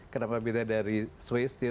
kenapa beda dari swiss